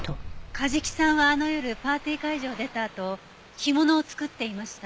梶木さんはあの夜パーティー会場を出たあと干物を作っていました。